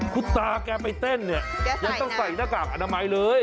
คุณตาแกไปเต้นเนี่ยยังต้องใส่หน้ากากอนามัยเลย